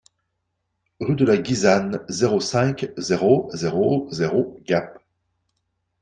Rue de la Guisane, zéro cinq, zéro zéro zéro Gap